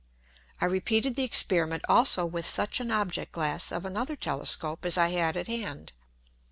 I repeated the Experiment also with such an Object glass of another Telescope as I had at hand.